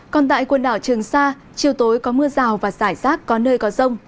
còn tại quần đảo trường sa chiều tối có mưa rào và rải rác có nơi có rông